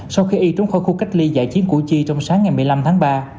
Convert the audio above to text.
sau khi y trốn khỏi khu cách ly giải chiến củ chi trong sáng ngày một mươi năm tháng ba